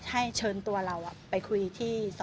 ให้เชิญตัวเราไปคุยที่